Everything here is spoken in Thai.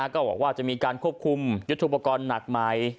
ก็บอกว่าจะมีการควบคุมยุทธุประกอบหนักไม้